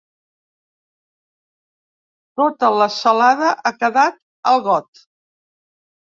Tota la solada ha quedat al got.